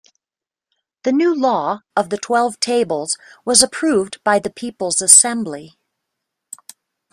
The new Law of the Twelve Tables was approved by the people's assembly.